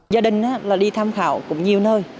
gia đình đi tham khảo cũng nhiều nơi